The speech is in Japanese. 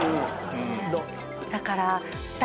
だから。